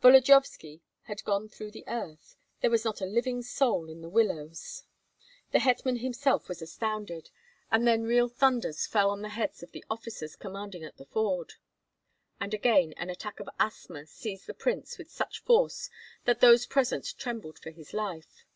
Volodyovski had gone through the earth, there was not a living soul in the willows. The hetman himself was astounded, and then real thunders fell on the heads of the officers commanding at the ford. And again an attack of asthma seized the prince with such force that those present trembled for his life.